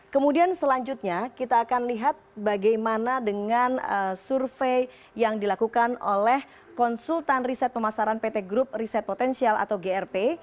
kemudian selanjutnya kita akan lihat bagaimana dengan survei yang dilakukan oleh konsultan riset pemasaran pt grup riset potensial atau grp